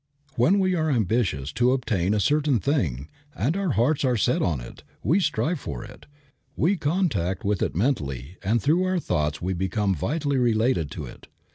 When we are ambitious to obtain a certain thing, and our hearts are set on it, we strive for it, we contact with it mentally and through our thoughts we become vitally related to it.